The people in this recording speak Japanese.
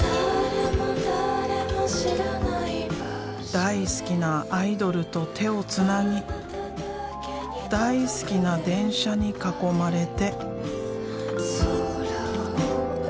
大好きなアイドルと手をつなぎ大好きな電車に囲まれて。